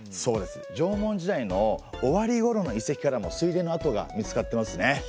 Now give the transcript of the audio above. そうです縄文時代の終わりごろの遺跡からも水田の跡が見つかってますね。